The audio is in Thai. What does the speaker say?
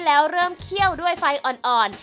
แล้วเริ่มเคี่ยวด้วยไฟอ่อน